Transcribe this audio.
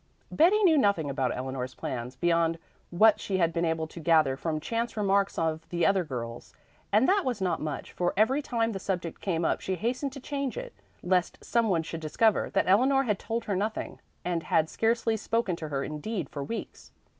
Betty knew nothing about Eleanor's plans, beyond what she had been able to gather from chance remarks of the other girls; and that was not much, for every time the subject came up she hastened to change it, lest some one should discover that Eleanor had told her nothing, and had scarcely spoken to her indeed for weeks.